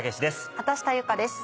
畑下由佳です。